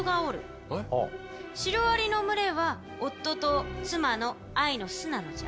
シロアリの群れは夫と妻の愛の巣なのじゃ。